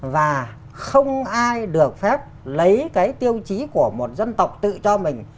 và không ai được phép lấy cái tiêu chí của một dân tộc tự cho mình